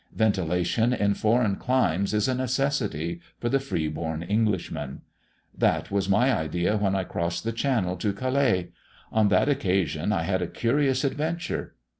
Ventilation in foreign climes is a necessity for the free born Englishman. That was my idea when I crossed the Channel to Calais. On that occasion I had a curious adventure.